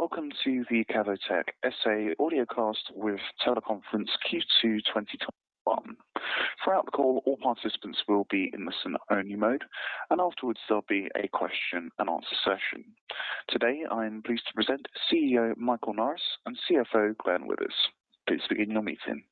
Welcome to the Cavotec SA audiocast with teleconference Q2 2021. Throughout the call, all participants will be in listen only mode, and afterwards, there'll be a question and answer session. Today, I'm pleased to present CEO Mikael Norin and CFO Glenn Withers. Please begin your meeting.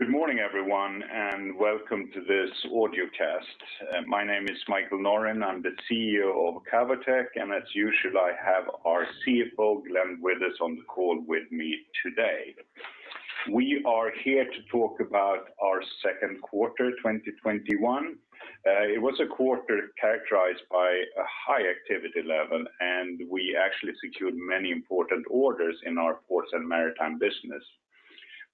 Good morning, everyone, and welcome to this audiocast. My name is Mikael Norin. I'm the CEO of Cavotec, and as usual, I have our CFO, Glenn Withers, on the call with me today. We are here to talk about our second quarter 2021. It was a quarter characterized by a high activity level, and we actually secured many important orders in our ports and maritime business,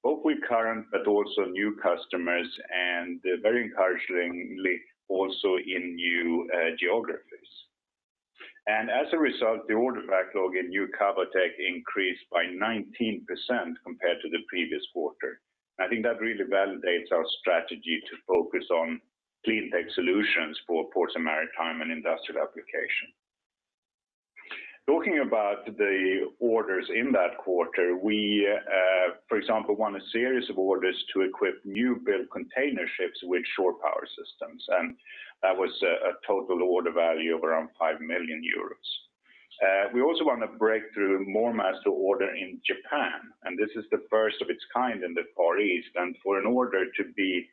both with current but also new customers and very encouragingly, also in new geographies. As a result, the order backlog in New Cavotec increased by 19% compared to the previous quarter. I think that really validates our strategy to focus on clean tech solutions for ports and maritime and industrial application. Talking about the orders in that quarter, we, for example, won a series of orders to equip new build container ships with Shore Power systems. That was a total order value of around 5 million euros. We also won a breakthrough MoorMaster order in Japan. This is the first of its kind in the Far East. For an order to be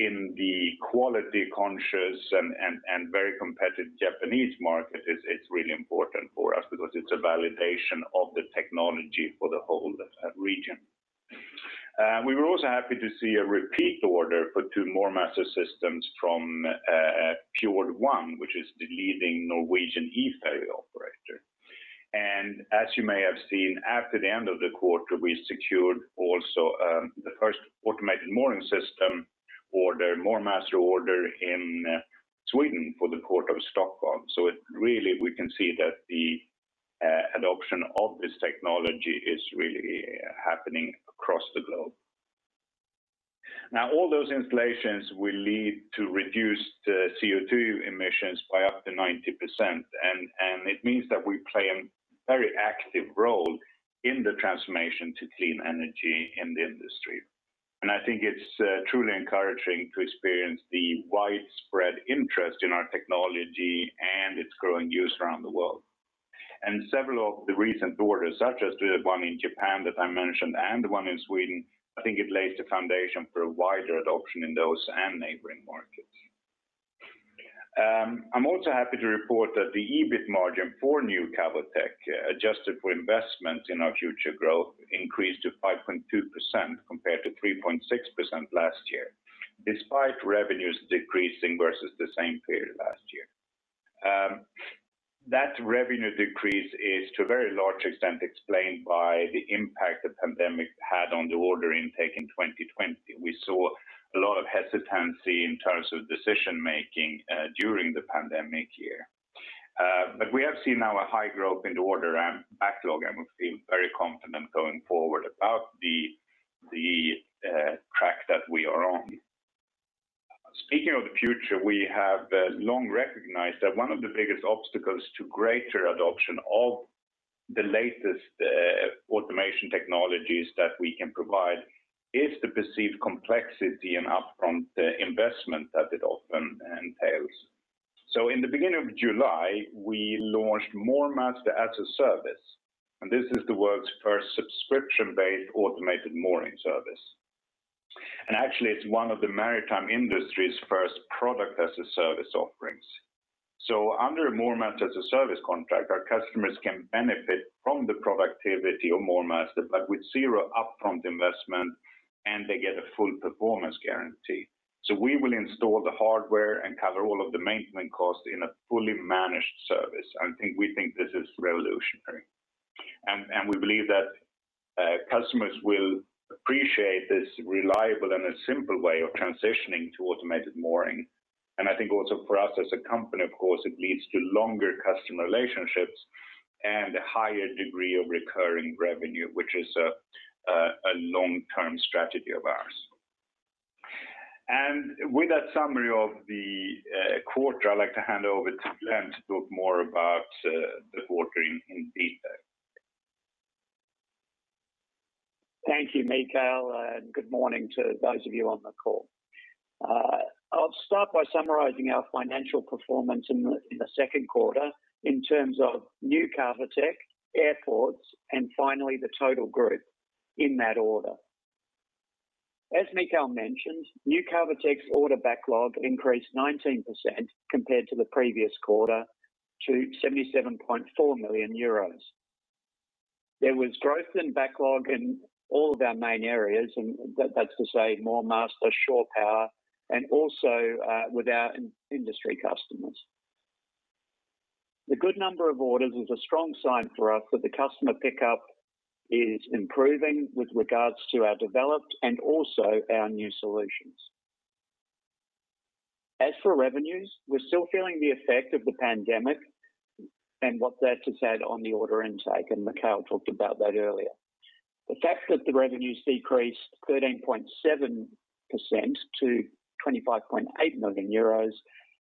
in the quality conscious and very competitive Japanese market, it's really important for us because it's a validation of the technology for the whole region. We were also happy to see a repeat order for two MoorMaster systems from Fjord1, which is the leading Norwegian e-ferry operator. As you may have seen, after the end of the quarter, we secured also the first automated mooring system order, MoorMaster order in Sweden for the port of Stockholm. Really, we can see that the adoption of this technology is really happening across the globe. All those installations will lead to reduced CO2 emissions by up to 90%, and it means that we play a very active role in the transformation to clean energy in the industry. I think it's truly encouraging to experience the widespread interest in our technology and its growing use around the world. Several of the recent orders, such as the one in Japan that I mentioned and the one in Sweden, I think it lays the foundation for a wider adoption in those and neighboring markets. I'm also happy to report that the EBIT margin for New Cavotec, adjusted for investment in our future growth, increased to 5.2% compared to 3.6% last year, despite revenues decreasing versus the same period last year. That revenue decrease is to a very large extent explained by the impact the pandemic had on the order intake in 2020. We saw a lot of hesitancy in terms of decision-making during the pandemic year. We have seen now a high growth in the order and backlog, and we feel very confident going forward about the track that we are on. Speaking of the future, we have long recognized that one of the biggest obstacles to greater adoption of the latest automation technologies that we can provide is the perceived complexity and upfront investment that it often entails. In the beginning of July, we launched MoorMaster as a Service, and this is the world's first subscription-based automated mooring service. Actually, it's one of the maritime industry's first product as a service offerings. Under a MoorMaster as a Service contract, our customers can benefit from the productivity of MoorMaster, but with zero upfront investment, and they get a full performance guarantee. We will install the hardware and cover all of the maintenance costs in a fully managed service. We think this is revolutionary. We believe that customers will appreciate this reliable and a simple way of transitioning to automated mooring. I think also for us as a company, of course, it leads to longer customer relationships and a higher degree of recurring revenue, which is a long-term strategy of ours. With that summary of the quarter, I'd like to hand over to Glenn to talk more about the quarter in detail. Thank you, Mikael, and good morning to those of you on the call. I'll start by summarizing our financial performance in the second quarter in terms of New Cavotec, airports, and finally, the total group in that order. As Mikael mentioned, New Cavotec's order backlog increased 19% compared to the previous quarter to 77.4 million euros. There was growth in backlog in all of our main areas, and that's to say MoorMaster, Shore Power, and also with our industry customers. The good number of orders is a strong sign for us that the customer pickup is improving with regards to our developed and also our new solutions. As for revenues, we're still feeling the effect of the pandemic and what that has had on the order intake, and Mikael talked about that earlier. The fact that the revenues decreased 13.7% to 25.8 million euros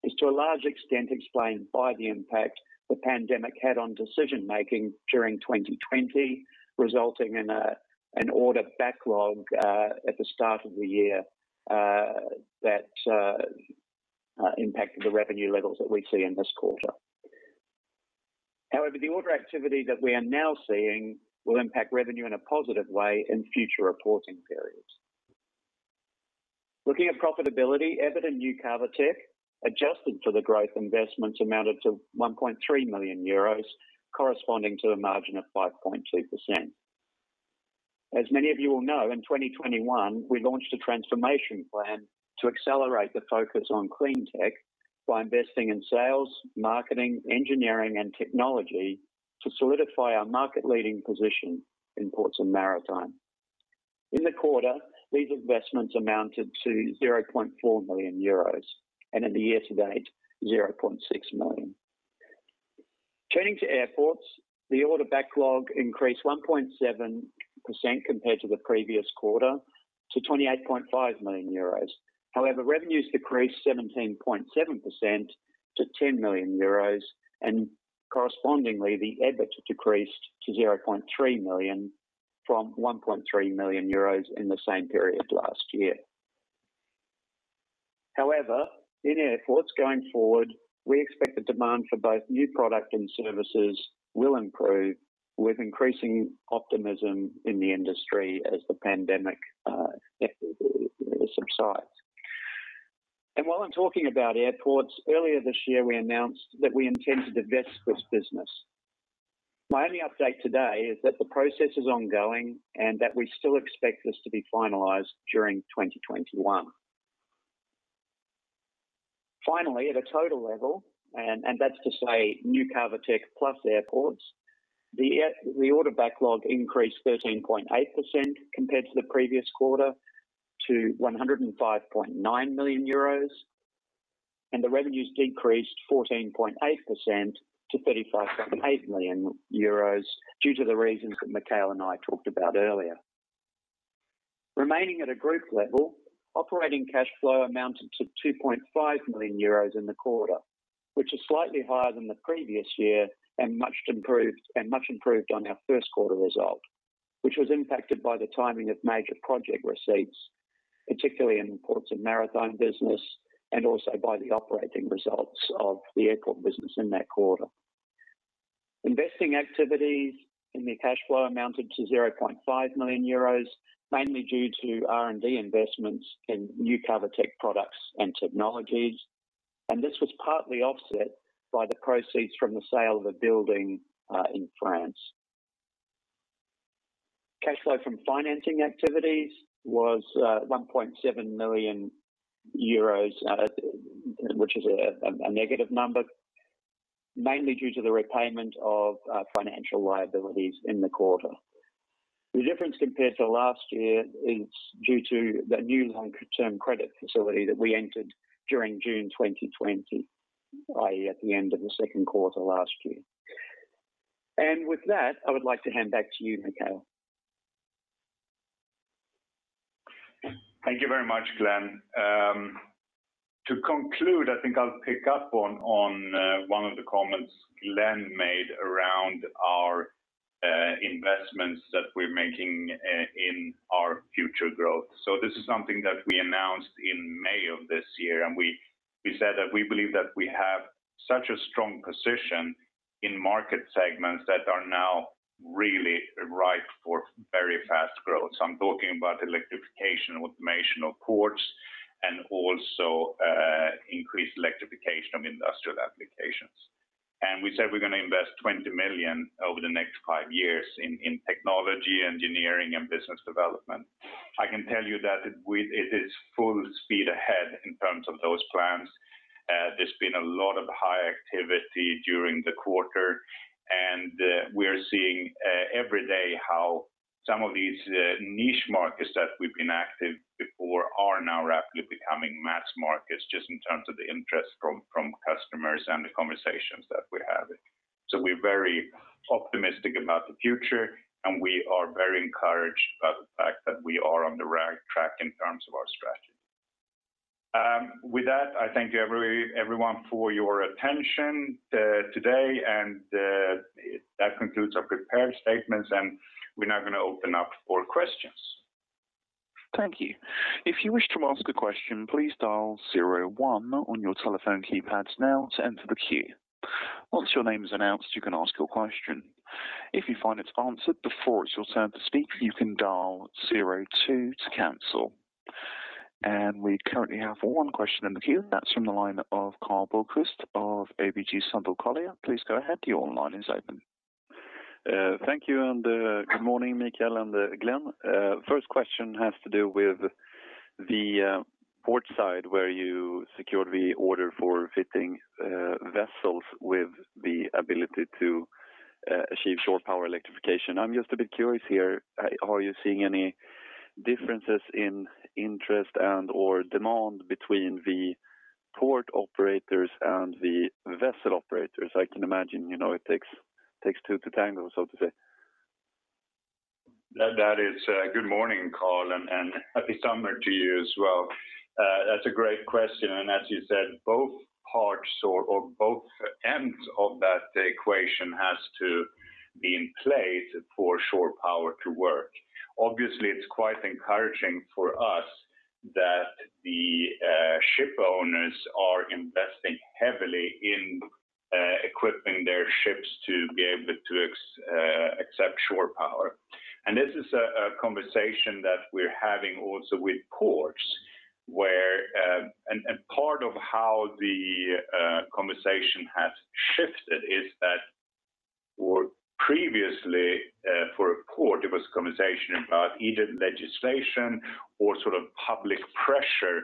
is to a large extent explained by the impact the pandemic had on decision-making during 2020, resulting in an order backlog at the start of the year that impacted the revenue levels that we see in this quarter. However, the order activity that we are now seeing will impact revenue in a positive way in future reporting periods. Looking at profitability, EBITDA New Cavotec, adjusted for the growth investments amounted to 1.3 million euros, corresponding to a margin of 5.2%. As many of you will know, in 2021, we launched a transformation plan to accelerate the focus on clean tech by investing in sales, marketing, engineering, and technology to solidify our market-leading position in ports and maritime. In the quarter, these investments amounted to 0.4 million euros, and in the year to date, 0.6 million. Turning to Airports, the order backlog increased 1.7% compared to the previous quarter to 28.5 million euros. Revenues decreased 17.7% to 10 million euros, and correspondingly, the EBIT decreased to 0.3 million from 1.3 million euros in the same period last year. In Airports going forward, we expect the demand for both new product and services will improve with increasing optimism in the industry as the pandemic subsides. While I'm talking about Airports, earlier this year, we announced that we intend to divest this business. My only update today is that the process is ongoing and that we still expect this to be finalized during 2021. Finally, at a total level, and that's to say New Cavotec plus Airports, the order backlog increased 13.8% compared to the previous quarter to 105.9 million euros, and the revenues decreased 14.8% to 35.8 million euros due to the reasons that Mikael and I talked about earlier. Remaining at a group level, operating cash flow amounted to 2.5 million euros in the quarter, which is slightly higher than the previous year and much improved on our first quarter result, which was impacted by the timing of major project receipts, particularly in the Ports and Maritime business, and also by the operating results of the Airport business in that quarter. Investing activities in the cash flow amounted to 0.5 million euros, mainly due to R&D investments in New Cavotec products and technologies, and this was partly offset by the proceeds from the sale of a building in France. Cash flow from financing activities was 1.7 million euros, which is a negative number, mainly due to the repayment of financial liabilities in the quarter. The difference compared to last year is due to the new long-term credit facility that we entered during June 2020, i.e., at the end of the second quarter last year. With that, I would like to hand back to you, Mikael. Thank you very much, Glenn. To conclude, I think I'll pick up on one of the comments Glenn made around our investments that we're making in our future growth. This is something that we announced in May of this year, and we said that we believe that we have such a strong position in market segments that are now really ripe for very fast growth. I'm talking about electrification and automation of ports and also increased electrification of industrial applications. We said we're going to invest 20 million over the next five years in technology, engineering, and business development. I can tell you that it is full speed ahead in terms of those plans. There's been a lot of high activity during the quarter, and we're seeing every day how some of these niche markets that we've been active before are now rapidly becoming mass markets just in terms of the interest from customers and the conversations that we're having. We're very optimistic about the future, and we are very encouraged by the fact that we are on the right track in terms of our strategy. With that, I thank everyone for your attention today, and that concludes our prepared statements, and we're now going to open up for questions. Thank you. We currently have one question in the queue. That's from the line of Carl Bergkvist of ABG Sundal Collier. Please go ahead. Your line is open. Thank you, and good morning, Mikael and Glenn. First question has to do with the port side where you secured the order for fitting vessels with the ability to achieve Shore Power electrification. I'm just a bit curious here. Are you seeing any differences in interest and/or demand between the port operators and the vessel operators? I can imagine it takes two to tango, so to say. That is a good morning call, and happy summer to you as well. That's a great question. As you said, both parts or both ends of that equation has to be in play for shore power to work. Obviously, it's quite encouraging for us that the ship owners are investing heavily in equipping their ships to be able to accept shore power. This is a conversation that we're having also with ports. Part of how the conversation has shifted is that previously for a port, it was a conversation about either legislation or sort of public pressure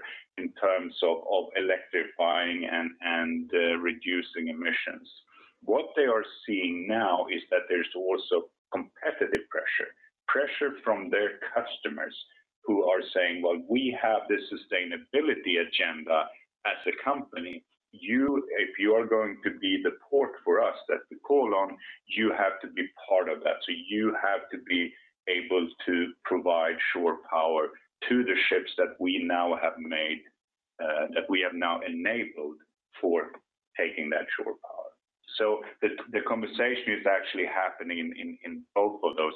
in terms of electrifying and reducing emissions. What they are seeing now is that there's also competitive pressure from their customers who are saying, "Well, we have this sustainability agenda as a company. If you are going to be the port for us that we call on, you have to be part of that. You have to be able to provide shore power to the ships that we have now enabled for taking that shore power. The conversation is actually happening in both of those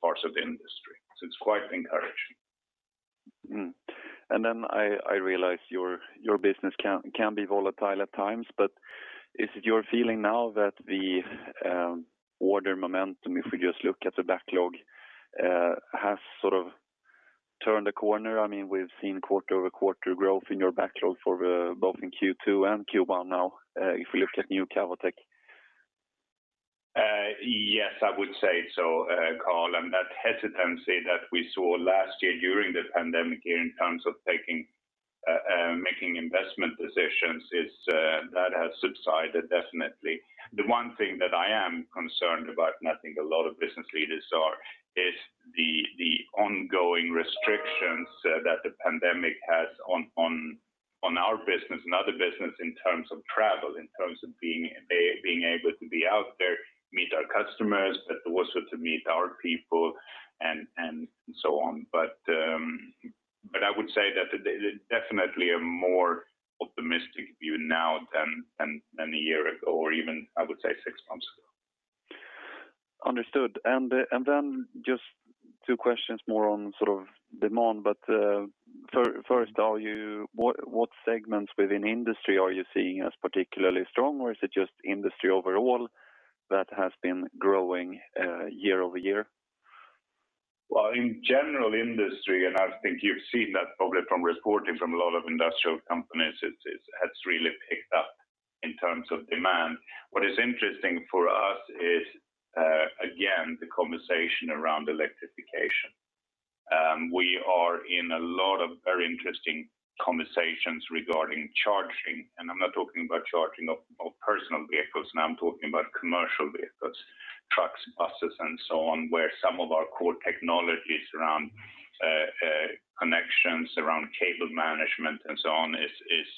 parts of the industry. It's quite encouraging. I realize your business can be volatile at times, but is it your feeling now that the order momentum, if we just look at the backlog, has sort of turned a corner? We've seen quarter-over-quarter growth in your backlog for both in Q2 and Q1 now, if we look at New Cavotec. Yes, I would say so, Carl, and that hesitancy that we saw last year during the pandemic in terms of making investment decisions, that has subsided, definitely. The one thing that I am concerned about, and I think a lot of business leaders are, is the ongoing restrictions that the pandemic has on our business and other business in terms of travel, in terms of being able to be out there, meet our customers, but also to meet our people and so on. I would say that there's definitely a more optimistic view now than a year ago or even, I would say, six months ago. Understood. Just two questions more on demand, but first, what segments within industry are you seeing as particularly strong, or is it just industry overall that has been growing year-over-year? Well, in general industry, and I think you've seen that probably from reporting from a lot of industrial companies, it has really picked up in terms of demand. What is interesting for us is, again, the conversation around electrification. We are in a lot of very interesting conversations regarding charging, and I'm not talking about charging of personal vehicles now, I'm talking about commercial vehicles, trucks, buses, and so on, where some of our core technologies around connections, around cable management and so on is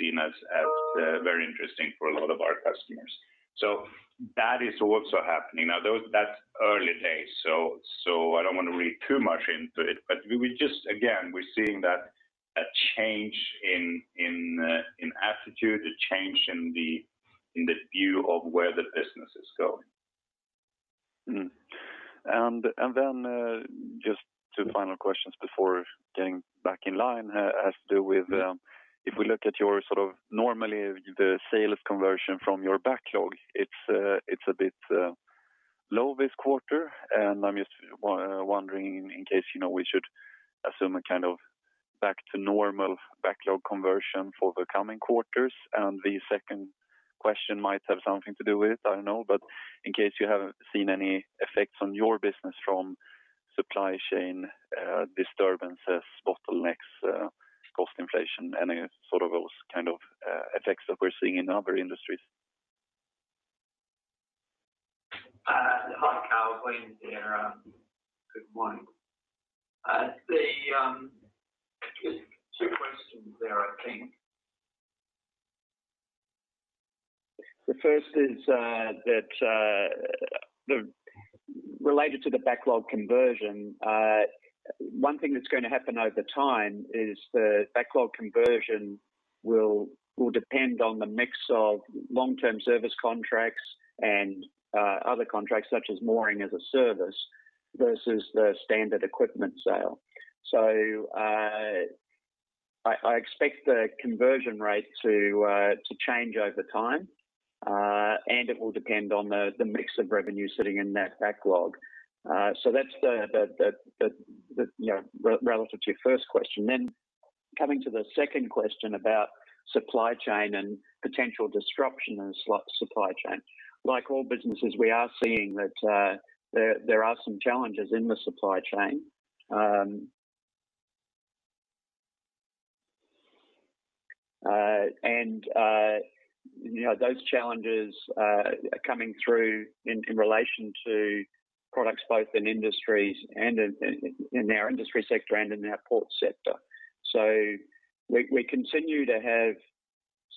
seen as very interesting for a lot of our customers. That is also happening. Now, that's early days, so I don't want to read too much into it, but we just, again, we're seeing that change in attitude, a change in the view of where the business is going. Then just two final questions before getting back in line has to do with if we look at your sort of normally the sales conversion from your backlog, it's a bit low this quarter, and I'm just wondering in case we should assume a kind of back to normal backlog conversion for the coming quarters. The second question might have something to do with it, I don't know, but in case you haven't seen any effects on your business from supply chain disturbances, bottlenecks, cost inflation, any sort of those kind of effects that we're seeing in other industries. Hi, Carl. Glenn here. Good morning. There's two questions there, I think. The first is related to the backlog conversion. One thing that's going to happen over time is the backlog conversion will depend on the mix of long-term service contracts and other contracts, such as Moor as a Service versus the standard equipment sale. I expect the conversion rate to change over time, and it will depend on the mix of revenue sitting in that backlog. That's relative to your first question. Coming to the second question about supply chain and potential disruption in the supply chain. Like all businesses, we are seeing that there are some challenges in the supply chain. And those challenges are coming through in relation to products both in our industry sector and in our port sector. We continue to have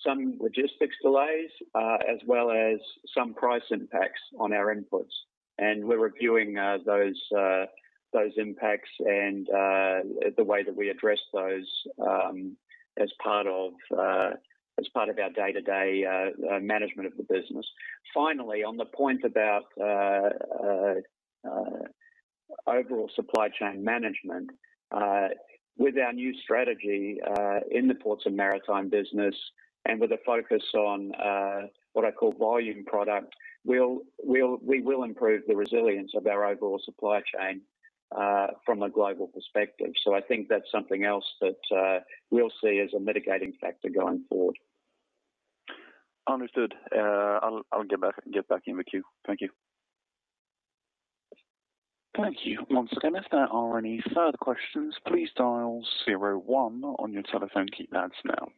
some logistics delays, as well as some price impacts on our inputs. We're reviewing those impacts and the way that we address those as part of our day-to-day management of the business. Finally, on the point about overall supply chain management, with our new strategy in the ports and maritime business and with a focus on what I call volume product, we will improve the resilience of our overall supply chain from a global perspective. I think that's something else that we'll see as a mitigating factor going forward. Understood. I'll get back in with you. Thank you. Thank you. Once again, if there are any further questions, please dial zero one on your telephone keypads now.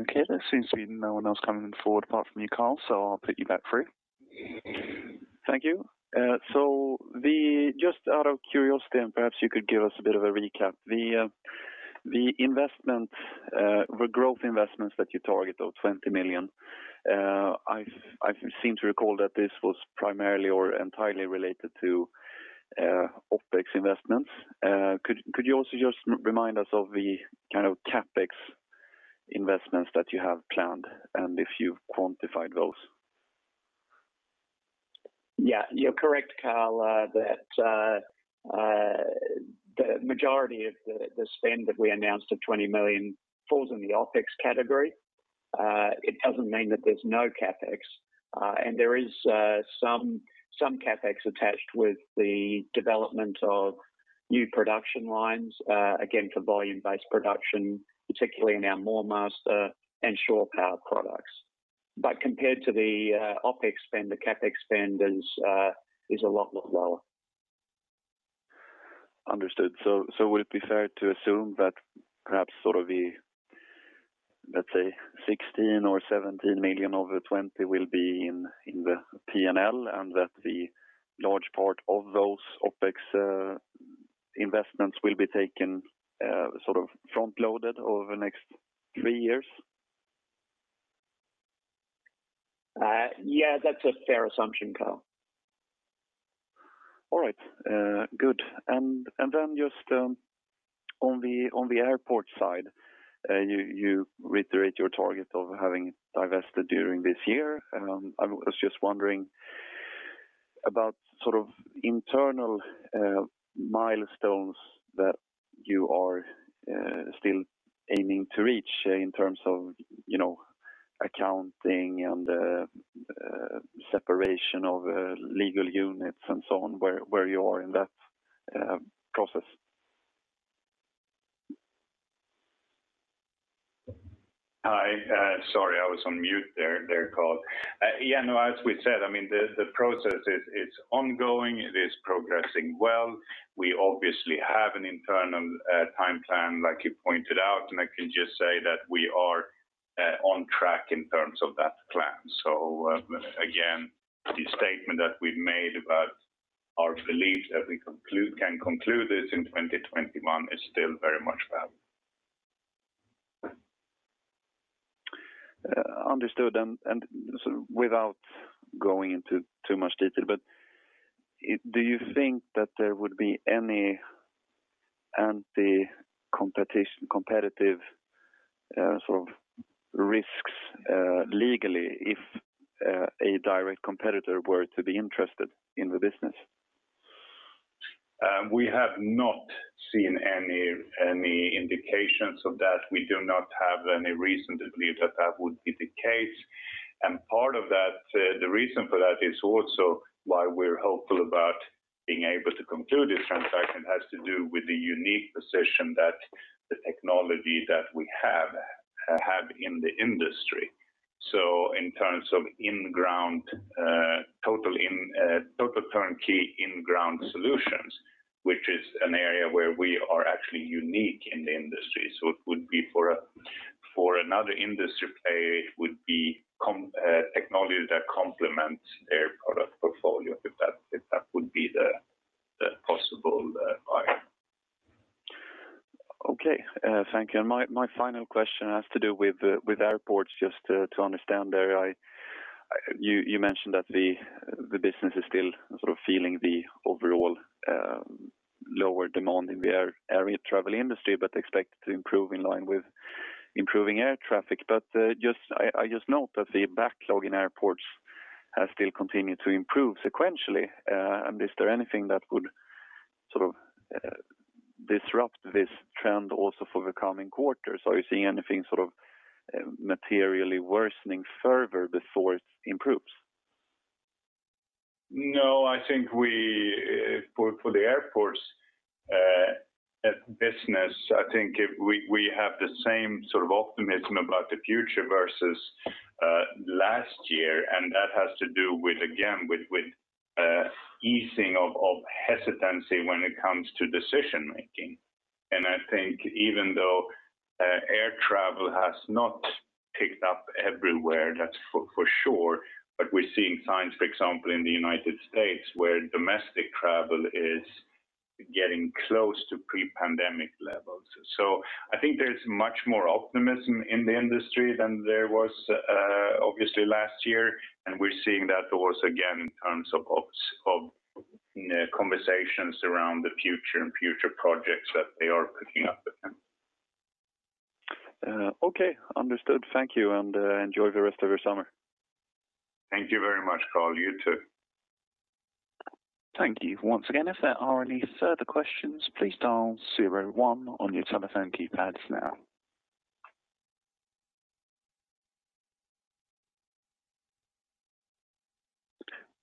Okay. There seems to be no one else coming forward apart from you, Carl, so I'll put you back through. Thank you. Just out of curiosity, perhaps you could give us a bit of a recap, the growth investments that you target of 20 million, I seem to recall that this was primarily or entirely related to OpEx investments. Could you also just remind us of the CapEx investments that you have planned and if you've quantified those? Yeah. You're correct, Carl, that the majority of the spend that we announced of 20 million falls in the OpEx category. It doesn't mean that there's no CapEx. There is some CapEx attached with the development of new production lines, again, for volume-based production, particularly in our MoorMaster and Shore Power products. Compared to the OpEx spend, the CapEx spend is a lot lower. Understood. Would it be fair to assume that perhaps sort of the, let's say, 16 million or 17 million of the 20 million will be in the P&L and that the large part of those OpEx investments will be taken sort of front-loaded over the next three years? Yeah, that's a fair assumption, Carl. All right. Good. Then just on the airport side, you reiterate your target of having divested during this year. I was just wondering about internal milestones that you are still aiming to reach in terms of accounting and separation of legal units and so on, where you are in that process. Hi. Sorry, I was on mute there, Carl. Yeah, no, as we said, the process is ongoing. It is progressing well. We obviously have an internal time plan, like you pointed out, and I can just say that we are on track in terms of that plan. Again, the statement that we've made about our belief that we can conclude this in 2021 is still very much valid. Understood. Without going into too much detail, but do you think that there would be any anti-competitive sort of risks legally if a direct competitor were to be interested in the business? We have not seen any indications of that. We do not have any reason to believe that that would be the case. Part of the reason for that is also why we're hopeful about being able to conclude this transaction has to do with the unique position that the technology that we have in the industry. In terms of total turnkey in-ground solutions, which is an area where we are actually unique in the industry. It would be for another industry player, it would be technology that complements their product portfolio, if that would be the possible buyer. Okay. Thank you. My final question has to do with airports, just to understand there, you mentioned that the business is still sort of feeling the overall lower demand in the air travel industry, but expect it to improve in line with improving air traffic. I just note that the backlog in airports has still continued to improve sequentially. Is there anything that would sort of disrupt this trend also for the coming quarters? Are you seeing anything sort of materially worsening further before it improves? No, I think for the airports business, I think we have the same sort of optimism about the future versus last year. That has to do with, again, with easing of hesitancy when it comes to decision-making. I think even though air travel has not picked up everywhere, that's for sure, but we're seeing signs, for example, in the United States where domestic travel is getting close to pre-pandemic levels. I think there's much more optimism in the industry than there was obviously last year, and we're seeing that also, again, in terms of conversations around the future and future projects that they are picking up again. Okay. Understood. Thank you, and enjoy the rest of your summer. Thank you very much, Carl. You too. Thank you.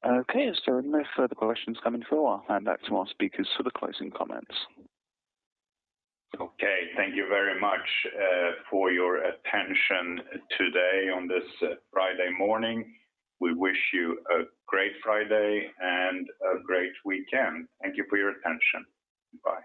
Okay, as there are no further questions coming through, I'll hand back to our speakers for the closing comments. Okay. Thank you very much for your attention today on this Friday morning. We wish you a great Friday and a great weekend. Thank you for your attention. Bye.